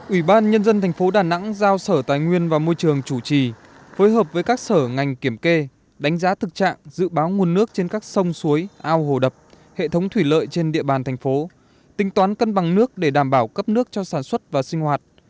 ủy ban nhân dân thành phố đà nẵng giao sở tài nguyên và môi trường chủ trì phối hợp với các sở ngành kiểm kê đánh giá thực trạng dự báo nguồn nước trên các sông suối ao hồ đập hệ thống thủy lợi trên địa bàn thành phố tính toán cân bằng nước để đảm bảo cấp nước cho sản xuất và sinh hoạt